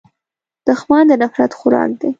دښمن د نفرت خوراک دی